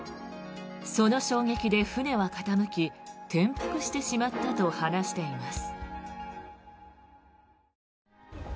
その衝撃で船は傾き転覆してしまったと話しています。